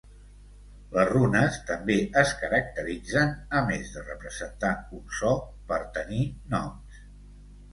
Les runes també es caracteritzen, a més de representar un so, per tenir noms.